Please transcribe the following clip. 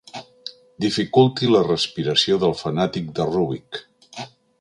Dificulti la respiració del fanàtic de Rübik.